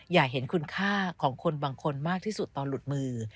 อย่าเห็นคุณค่าของคนบางคนมากที่สุดตอนหลุดมือ